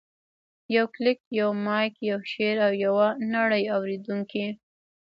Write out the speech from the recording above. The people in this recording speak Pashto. یو کلیک، یو مایک، یو شعر، او یوه نړۍ اورېدونکي.